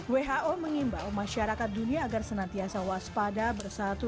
who mengimbau masyarakat dunia agar senantiasa waspada bersatu